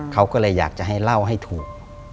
เขาก็เลยอยากจะให้เล่าให้ถูก